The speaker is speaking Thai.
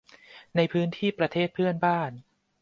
ในพื้นที่ประเทศเพื่อนบ้าน